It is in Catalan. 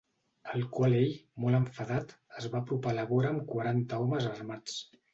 Al qual ell, molt enfadat, es va apropar a la vora amb quaranta homes armats.